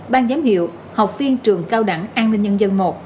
ban giám hiệu học viên trường cao đẳng an ninh nhân dân i